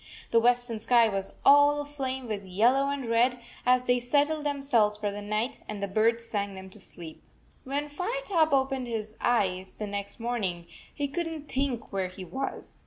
The western sky was all aflame with yellow and red, as they settled them selves for the night, and the birds sang them to sleep. 68 II When Firetop opened his eyes the next morning, he could n t think where he was.